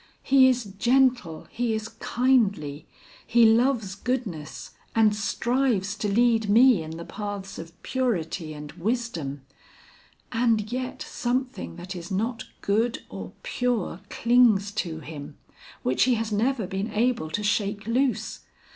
He is gentle, he is kindly, he loves goodness and strives to lead me in the paths of purity and wisdom, and yet something that is not good or pure clings to him, which he has never been able to shake loose.